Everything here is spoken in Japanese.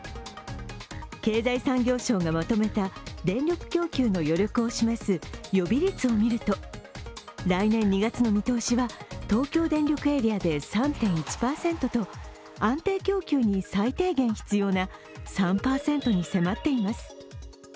経済産業省がまとめた電力供給の余力を示す予備率を見ると来年２月の見通しは東京電力エリアで３．１％と安定供給に最低限必要な３％に迫っています。